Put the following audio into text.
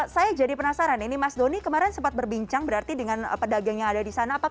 saya jadi penasaran ini mas doni kemarin sempat berbincang berarti dengan pedagang yang ada di sana